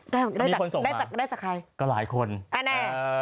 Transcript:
ได้จากใครมีคนส่งมาก็หลายคนแน่